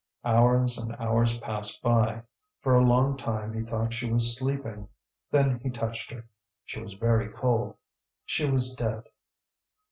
Hours and hours passed by. For a long time he thought she was sleeping; then he touched her; she was very cold, she was dead.